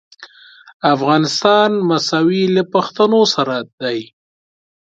افغانستان مساوي له پښتنو سره دی.